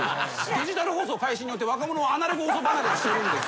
デジタル放送開始によって若者はアナログ放送離れしてるんですよ。